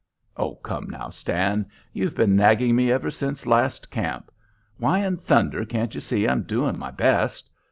"Oh, come now, Stan! You've been nagging me ever since last camp. Why'n thunder can't you see I'm doing my best?